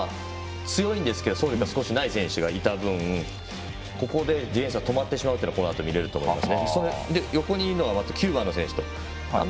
フォワードなんですけど少し走力がない選手がいた分ここでディフェンスが止まってしまうのがこのあと、見れると思います。